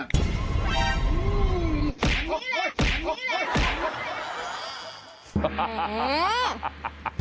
แบบนี้แหละแบบนี้แหละ